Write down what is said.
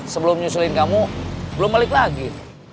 sebelum nyusulin kamu belum balik lagi